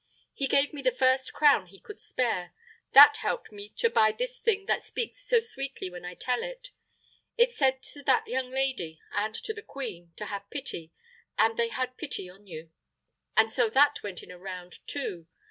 He gave me the first crown he could spare; that helped me to buy this thing that speaks so sweetly when I tell it. It said to that young lady, and to the queen, to have pity; and they had pity on you; and so that went in a round too.